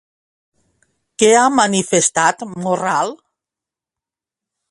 Què ha manifestat Morral?